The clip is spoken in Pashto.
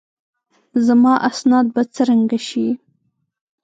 زما اسناد به څرنګه شي؟